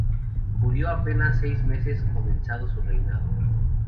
Murió apenas seis meses comenzado su reinado.